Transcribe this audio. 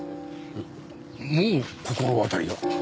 もう心当たりが？